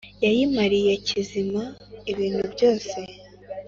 yayimariye kizima ibintu byose